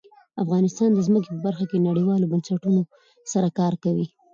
افغانستان د ځمکه په برخه کې نړیوالو بنسټونو سره کار کوي.